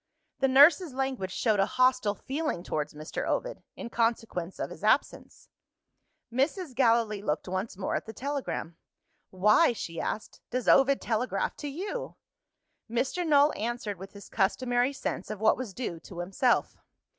The nurse's language showed a hostile feeling towards Mr. Ovid, in consequence of his absence. Mrs. Gallilee looked once more at the telegram. "Why," she asked, "does Ovid telegraph to You?" Mr. Null answered with his customary sense of what was due to himself.